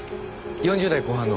４０代後半の？